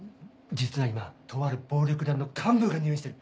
実は今とある暴力団の幹部が入院してる。